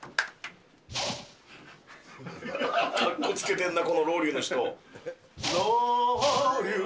かっこつけてんな、このロウリュの人。